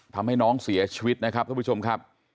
ทำให้น้องเสียชีวิตนะครับท่านผู้ชมครับ